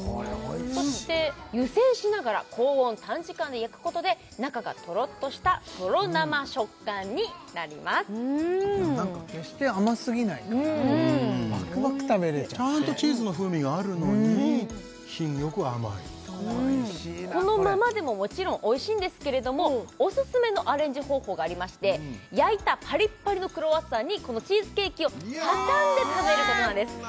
そして湯煎しながら高温短時間で焼くことで中がとろっとしたとろ生食感になりますなんか決して甘すぎないからバクバク食べれちゃってちゃんとチーズの風味があるのに品よく甘いこのままでももちろんおいしいんですけれどもオススメのアレンジ方法がありまして焼いたパリッパリのクロワッサンにこのチーズケーキを挟んで食べることなんです